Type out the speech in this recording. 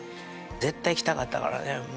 絶対、来たかったからね。